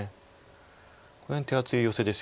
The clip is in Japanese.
この辺手厚いヨセですよね。